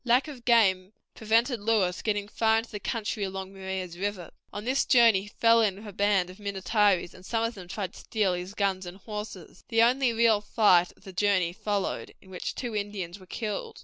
Lack of game prevented Lewis getting far into the country along Maria's River. On this journey he fell in with a band of Minnetarees, and some of them tried to steal his guns and horses. The only real fight of the journey followed, in which two Indians were killed.